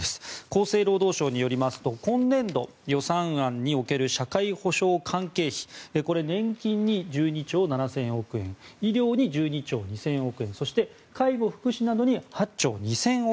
厚生労働省によりますと今年度予算案における社会保障関係費これ、年金に１２兆７０００億円医療に１２兆２０００億円そして介護・福祉などに８兆２０００億円。